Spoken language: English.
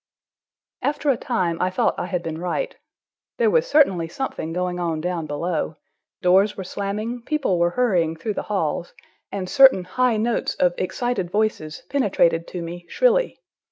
After a time I thought I had been right. There was certainly something going on down below; doors were slamming, people were hurrying through the halls, and certain high notes of excited voices penetrated to me shrilly.